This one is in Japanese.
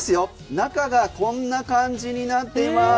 中がこんな感じになってます。